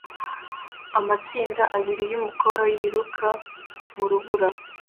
Amatsinda abiri yumukobwa yiruka mu rubura